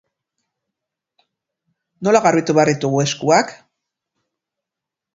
Nola garbitu behar ditugu eskuak?